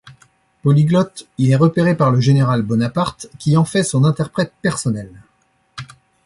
Polyglotte, il est repéré par le général Bonaparte qui en fait son interprète personnel.